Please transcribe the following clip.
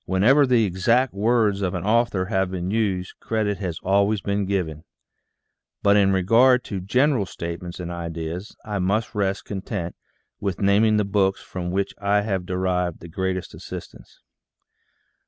Whenever the exact words of an author have been used, credit has always been given ; but in regard to general statements and ideas, I must rest content with naming the books from which I have derived the greatest assistance.